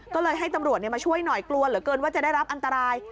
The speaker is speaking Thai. ก็เลยให้ตำรวจมาช่วยหน่อยกลัวเหลือเกินว่าจะได้รับอันตราย